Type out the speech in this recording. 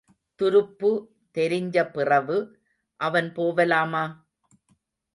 துருப்பு தெரிஞ்ச பிறவு அவன் போவலாமா...?